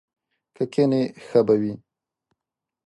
که کښېنې ښه به وي!